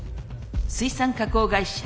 水産加工会社。